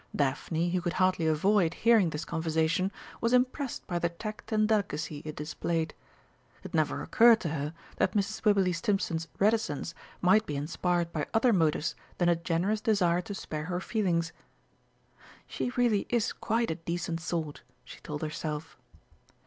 Daphne, who could hardly avoid hearing this conversation, was impressed by the tact and delicacy it displayed. It never occurred to her that Mrs. Wibberley Stimpson's reticence might be inspired by other motives than a generous desire to spare her feelings. "She really is quite a decent sort!" she told herself.